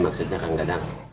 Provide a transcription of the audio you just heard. maksudnya kang dadang